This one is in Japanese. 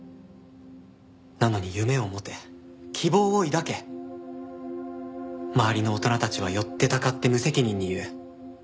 なのに夢を持て希望を抱け周りの大人たちは寄ってたかって無責任に言う。